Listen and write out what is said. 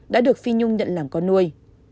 đã được phi nhung nhận làm con nuôi